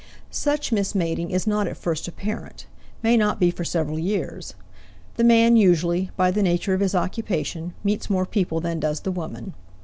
Such mismating is not at first apparent may not be for several years. The man usually, by the nature of his occupation, meets more people than does the woman.